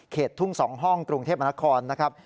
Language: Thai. ทุ่ง๒ห้องกรุงเทพมนครนะครับ